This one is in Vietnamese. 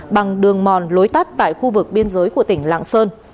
bằng đường mòn lối tắt tại khu vực biên giới của tỉnh lạng sơn